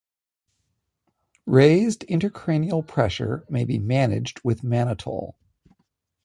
Raised intracranial pressure may be managed with mannitol.